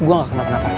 gue gak kenapa napa